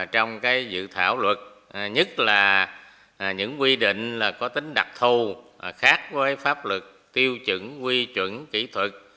trong dự thảo luật nhất là những quy định có tính đặc thù khác với pháp luật tiêu chuẩn quy chuẩn kỹ thuật